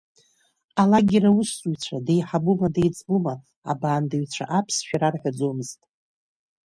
Алагер аусзуҩцәа, деиҳабума деиҵбума абаандаҩцәа аԥсшәа рарҳәаӡомызт.